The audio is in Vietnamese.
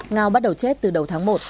ngao bắt đầu chết từ đầu tháng một